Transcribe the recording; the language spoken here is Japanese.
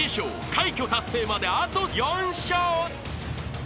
快挙達成まであと４笑］